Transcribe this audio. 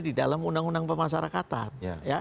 di dalam undang undang pemasarakatan